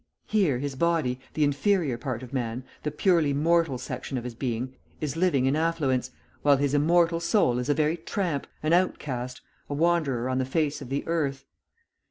Here his body, the inferior part of man, the purely mortal section of his being, is living in affluence, while his immortal soul is a very tramp, an outcast, a wanderer on the face of the earth.